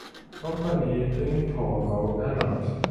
Kompanie in Torgau ernannt.